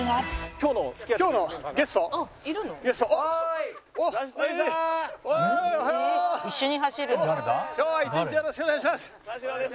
今日は一日よろしくお願いします。